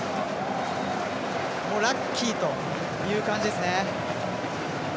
ラッキーという感じですね。